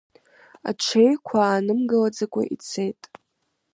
Аҽеиқәа аанымгылаӡакәа ицеит.